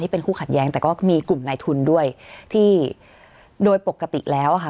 เป็นคู่ขัดแย้งแต่ก็มีกลุ่มนายทุนด้วยที่โดยปกติแล้วค่ะ